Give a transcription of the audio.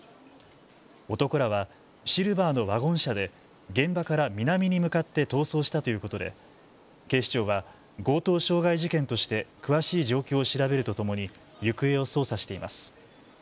男らはシルバーのワゴン車で現場から南に向かって逃走したということで警視庁は強盗傷害事件として詳しい状況を調べるとともに行方を捜査しています。